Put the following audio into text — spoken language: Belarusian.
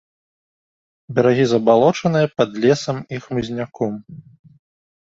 Берагі забалочаныя, пад лесам і хмызняком.